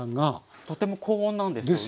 とても高温なんですよね。